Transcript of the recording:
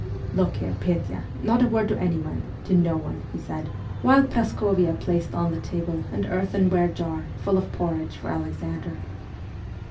' Look here, Petya, not a word to anyone ; to no one,' he said, while Praskovia placed on the table an earthenware jar full of porridge for Alexander.